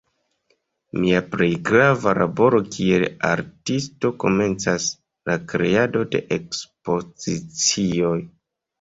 Mia plej grava laboro kiel artisto komencas: la kreado de ekspozicioj.